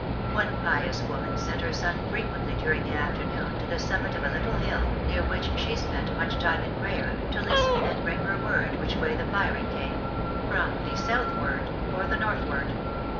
One pious woman sent her son frequently during the afternoon, to the summit of a little hill near which she spent much time in prayer, to listen and bring her word which way the firing came from the southward or the northward.